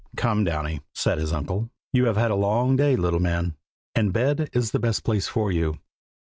"Come, Downy," said his uncle. "You have had a long day, little man, and bed is the best place for you.